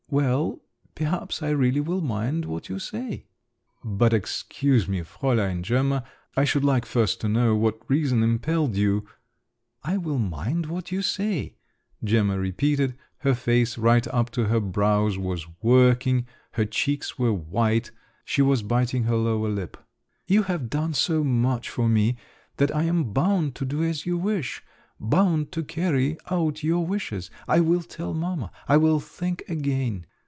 Well … perhaps I really will mind what you say." "But excuse me, Fräulein Gemma, I should like first to know what reason impelled you …" "I will mind what you say," Gemma repeated, her face right up to her brows was working, her cheeks were white, she was biting her lower lip. "You have done so much for me, that I am bound to do as you wish; bound to carry out your wishes. I will tell mamma … I will think again.